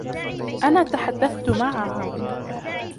أنا تحدثت معها.